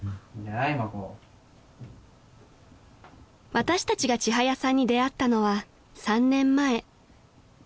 ［私たちがちはやさんに出会ったのは３年前］